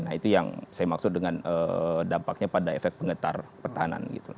nah itu yang saya maksud dengan dampaknya pada efek pengetar pertahanan gitu